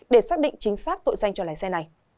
để xác định chính xác tội danh cho lái xe này